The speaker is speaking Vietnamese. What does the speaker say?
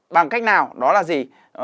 bằng cách nào đó là gì